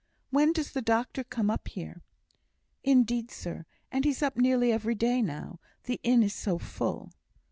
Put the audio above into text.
"When does the doctor come up here?" "Indeed, sir, and he's up nearly every day now, the inn is so full."